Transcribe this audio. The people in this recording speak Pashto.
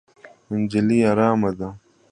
نجلۍ ارامه ده.